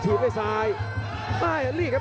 อันนี้พยายามจะเน้นข้างซ้ายนะครับ